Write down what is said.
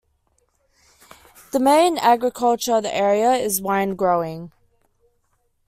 The main agriculture of the area is wine growing.